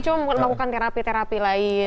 coba melakukan terapi terapi lain